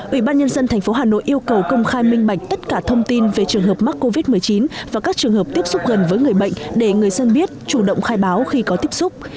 ủy ban nhân dân tp hà nội yêu cầu công khai minh bạch tất cả thông tin về trường hợp mắc covid một mươi chín và các trường hợp tiếp xúc gần với người bệnh để người dân biết chủ động khai báo khi có tiếp xúc